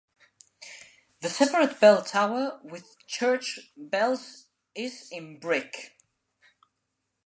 The separate bell tower with church bells is in brick.